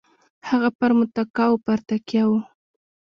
هغه پر متکاوو پر تکیه وه.